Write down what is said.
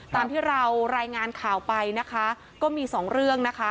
ตามที่เรารายงานข่าวไปนะคะก็มีสองเรื่องนะคะ